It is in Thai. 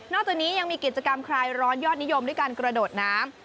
จากนี้ยังมีกิจกรรมคลายร้อนยอดนิยมด้วยการกระโดดน้ำ